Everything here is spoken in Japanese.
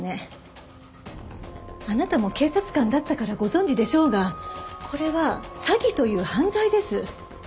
あなたも警察官だったからご存じでしょうがこれは詐欺という犯罪です。